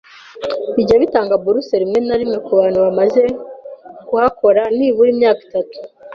bijya bitanga bourses rimwe na rimwe, ku bantu bamaze kuhakora nibura imyaka itatu